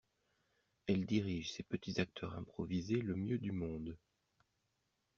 Elle dirige ses petits acteurs improvisés le mieux du monde.